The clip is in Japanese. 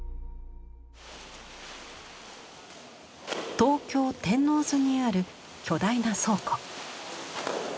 東京天王洲にある巨大な倉庫。